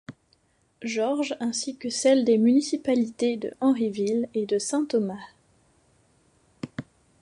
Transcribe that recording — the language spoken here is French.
George ainsi que celle des municipalités de Henryville et de Saint-Thomas.